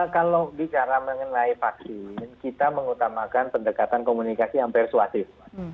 kalau bicara mengenai vaksin kita mengutamakan pendekatan komunikasi yang persuasif